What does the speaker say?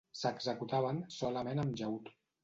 S'executaven solament amb llaüt.